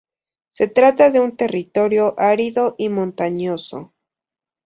Se trata de un territorio árido y montañoso.